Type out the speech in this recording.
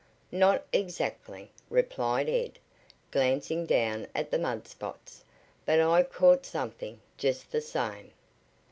"Not exactly," replied Ed, glancing down at the mud spots; "but I caught something, just the same."